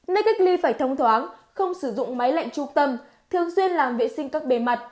nơi cách ly phải thông thoáng không sử dụng máy lạnh trung tâm thường xuyên làm vệ sinh các bề mặt